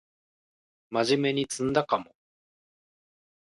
まじめに詰んだかも